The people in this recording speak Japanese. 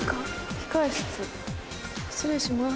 「控室」失礼します。